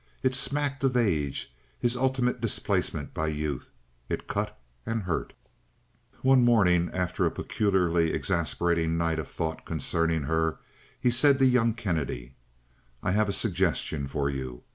It smacked of age, his ultimate displacement by youth. It cut and hurt. One morning, after a peculiarly exasperating night of thought concerning her, he said to young Kennedy: "I have a suggestion for you.